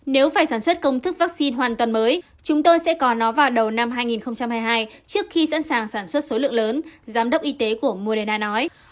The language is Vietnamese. nếu phải sản xuất công thức vaccine hoàn toàn mới chúng tôi sẽ còn nó vào đầu năm hai nghìn hai mươi hai trước khi sẵn sàng sản xuất số lượng lớn giám đốc y tế của moderna nói